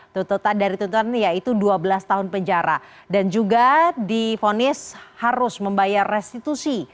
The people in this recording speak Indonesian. tutupan dari tutupan yaitu dua belas tahun penjara dan juga di fonis harus membayar restitusi